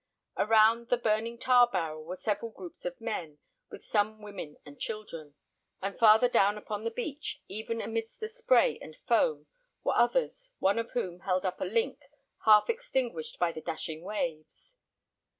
Around the burning tar barrel were several groups of men, with some women and children; and farther down upon the beach, even amidst the spray and foam, were others, one of whom held up a link, half extinguished by the dashing waves.